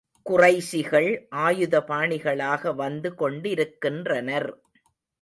குறைஷிகள் ஆயுதபாணிகளாக வந்து கொண்டிருக்கின்றனர்.